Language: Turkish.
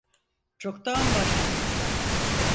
Çoktan başladı.